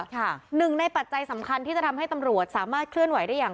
หนึ่งในปัจจัยสำคัญที่จะทำให้ตำรวจสามารถเคลื่อนไหวได้อย่าง